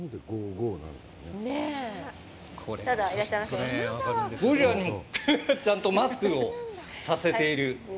ゴリラにもちゃんとマスクをさせている。